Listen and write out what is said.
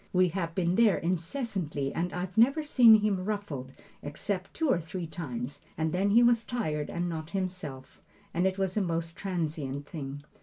We have been there incessantly and I've never seen him ruffled except two or three times, and then he was tired and not himself, and it was a most transient thing.